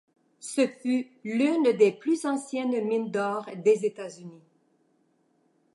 Ce fut l'une des plus anciennes mines d'or des États-Unis.